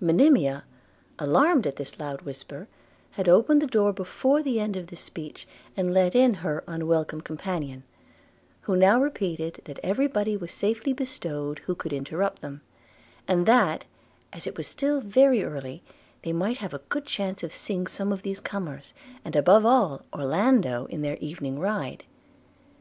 Monimia, alarmed at the loud whisper, had opened the door before the end of this speech, and let in her unwelcome companion, who now repeated, that every body was safely bestowed who could interrupt them; and that, as it was still very early, they might have a good chance of seeing some of these comers, and above all Orlando, in their evening ride.